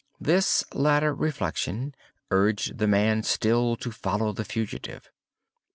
This latter reflection urged the man still to follow the fugitive.